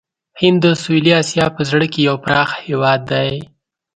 هند د سویلي آسیا په زړه کې یو پراخ هېواد دی.